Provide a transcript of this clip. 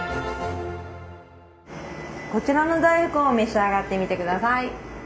こちらの大福を召し上がってみて下さい。